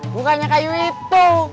bukannya kayu itu